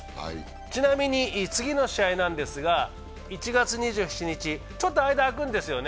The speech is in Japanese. ちなみに次の試合ですが１月２７日、ちょっと間が空くんですね。